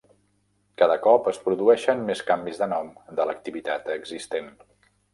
Cada cop es produeixen més canvis de nom de l'activitat existent.